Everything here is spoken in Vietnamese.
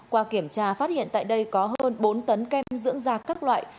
qua kiểm tra phát hiện tại đây có hơn bốn tấn kem dưỡng da các loại